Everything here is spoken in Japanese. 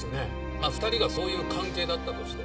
まぁ２人がそういう関係だったとして。